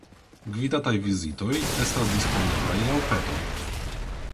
Gvidataj vizitoj estas disponeblaj laŭ peto.